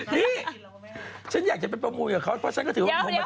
เฮ้ยฉันอยากจะไปประมูลกับเขาเพราะฉันก็ถือว่าผมมจรคนเดิม